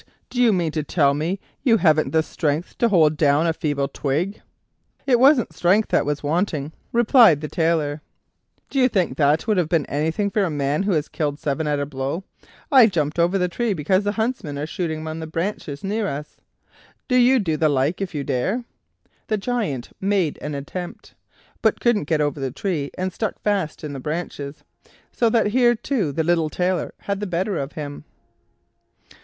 do you mean to tell me you haven't the strength to hold down a feeble twig?" "It wasn't strength that was wanting," replied time Tailor; "do you think that would have been anything for a man who has killed seven at a blow? I jumped over the tree because the huntsmen are shooting among the branches near us. Do you do the like if you dare." The Giant made an attempt, but couldn't get over the tree, and stuck fast in the branches, so that here, too, the little Tailor had the better of him.